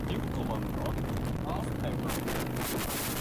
He devoted for social welfare activities particularly for spending education.